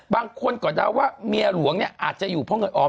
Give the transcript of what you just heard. บางคนก็เดาว่าเมียหลวงเนี่ยอาจจะอยู่เพราะเงินออม